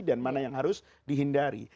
dan mana yang harus dihindari